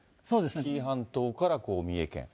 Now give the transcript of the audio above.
紀伊半島から三重県。